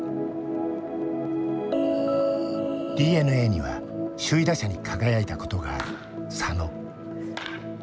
ＤｅＮＡには首位打者に輝いたことがある佐野。